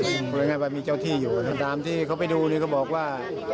หรืออย่างนั้นว่ามีเจ้าที่อยู่ตามที่เขาไปดูนี่เขาบอกว่า